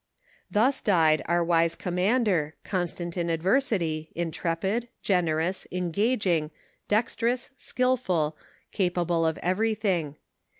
* Thus died our wise commander, constant in adversity, in trepid, generous, engaging, dexterous, skilful, capable of everything.